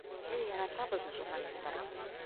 Беҙ яратабыҙ журналистарҙы.